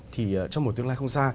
thì trong một tương lai không xa